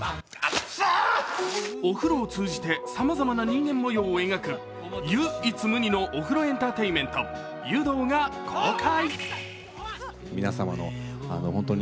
お風呂を通じてさまざまな人間模様を描く湯一無二のお風呂エンターテインメント「湯道」が公開。